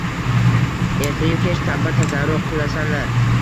Erta-yu-kech tavba-tazarru qilasanlar!